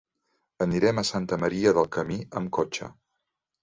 Anirem a Santa Maria del Camí amb cotxe.